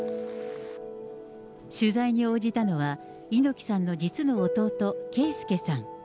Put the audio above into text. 取材に応じたのは、猪木さんの実の弟、啓介さん。